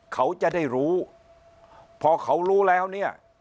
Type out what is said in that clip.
เขาจะได้รู้พอเขารู้แล้วเนี่ย